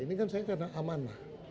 ini kan saya karena amanah